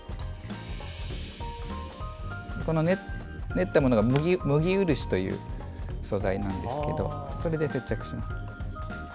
練ったものが麦漆という素材なんですけどそれで接着します。